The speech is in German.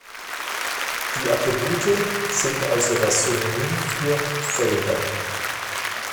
Die Attribute sind also das Synonym für „Felder“.